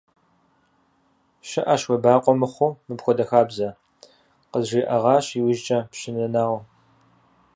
– ЩыӀэщ уебакъуэ мыхъуу мыпхуэдэ хабзэ, – къызжиӀэгъащ иужькӀэ Пщы Нэнау.